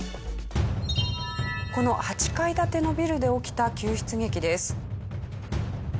この８階建てのビルで起きた救出劇です。